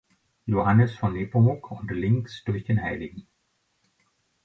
Johannes von Nepomuk und links durch den Hl.